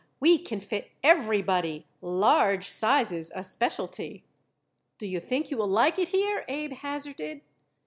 We Can Fit Everybody. Large Sizes a Specialty. "Do you think you will like it here?" Abe hazarded.